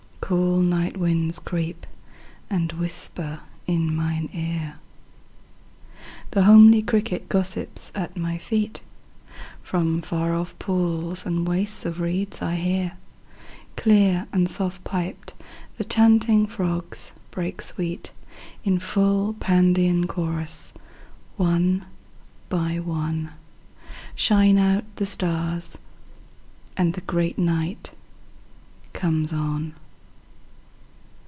9Cool night winds creep, and whisper in mine ear.10The homely cricket gossips at my feet.11From far off pools and wastes of reeds I hear,12Clear and soft piped, the chanting frogs break sweet13In full Pandean chorus. One by one14Shine out the stars, and the great night comes on.